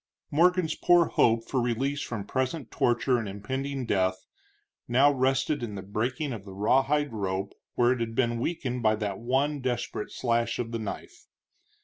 Morgan's poor hope for release from present torture and impending death now rested in the breaking of the rawhide rope where it had been weakened by that one desperate slash of the knife.